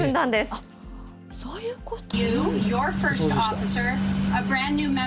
あっ、そういうこと？